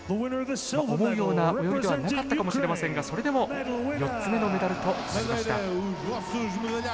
思うような泳ぎではなかったかもしれませんがそれでも４つ目のメダルとなりました。